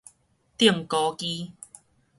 釘孤枝